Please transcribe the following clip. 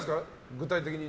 具体的に。